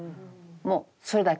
もうそれだけ。